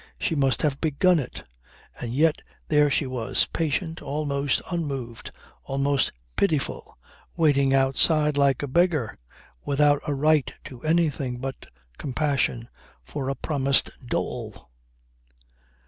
She must have begun it. And yet there she was, patient, almost unmoved, almost pitiful, waiting outside like a beggar, without a right to anything but compassion, for a promised dole.